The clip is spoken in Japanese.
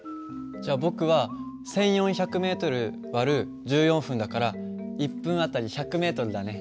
じゃあ僕は１，４００ｍ÷１４分だから１分あたり１００ｍだね。